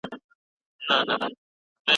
د ساینس په برخه کي ګډ کار ډېر مهم دی.